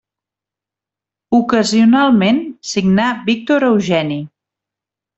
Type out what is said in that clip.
Ocasionalment signà Víctor Eugeni.